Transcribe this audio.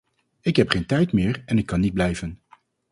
Ik heb geen tijd meer en ik kan niet blijven.